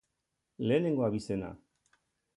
Lehenengo abizena.